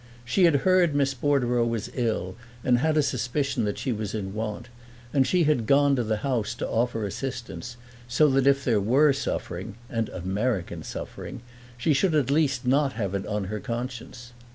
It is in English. She had heard Miss Bordereau was ill and had a suspicion that she was in want; and she had gone to the house to offer assistance, so that if there were suffering (and American suffering), she should at least not have it on her conscience.